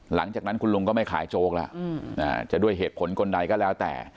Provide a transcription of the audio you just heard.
หลังจากนั้นคุณลุงก็ไม่ขายโจ๊กแล้วจะด้วยเหตุผลคนใดก็แล้วแต่